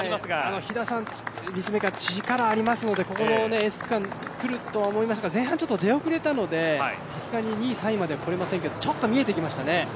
飛田凛香さんは力がありますのでここのエース区間くるとは思いましたが少し前半遅れたのでさすがに２位、３位まではこれませんがちょっと見えてきましたね。